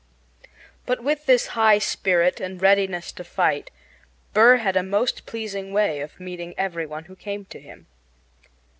But with this high spirit and readiness to fight Burr had a most pleasing way of meeting every one who came to him.